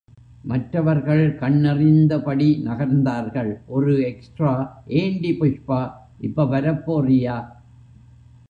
மற்றவர்கள் கண்ணெறிந்தபடி நகர்ந்தார்கள், ஒரு எக்ஸ்ட்ரா ஏண்டி புஷ்பா, இப்ப வரப்போறியா?